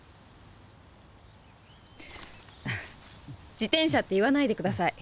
自転車って言わないで下さい。